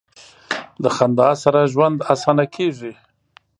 د خندا سره ژوند اسانه کیږي.